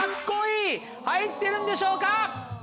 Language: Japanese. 入ってるんでしょうか？